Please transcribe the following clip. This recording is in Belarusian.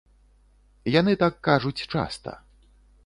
Яны так кажуць часта.